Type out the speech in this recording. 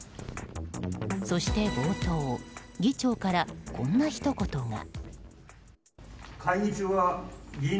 そして冒頭議長からこんなひと言が。